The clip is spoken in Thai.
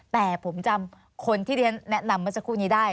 แต่ผมจำคนที่เรียนแนะนำเมื่อสักครู่นี้ได้